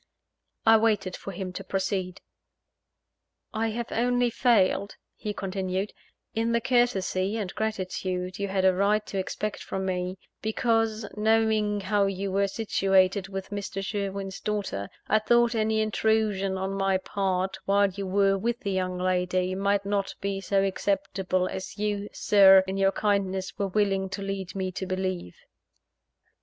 I waited for him to proceed. "I have only failed," he continued, "in the courtesy and gratitude you had a right to expect from me, because, knowing how you were situated with Mr. Sherwin's daughter, I thought any intrusion on my part, while you were with the young lady, might not be so acceptable as you, Sir, in your kindness, were willing to lead me to believe."